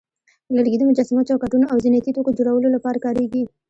لرګي د مجسمو، چوکاټونو، او زینتي توکو جوړولو لپاره کارېږي.